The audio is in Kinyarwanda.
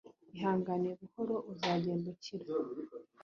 Ihangane buhorouzagenda ukira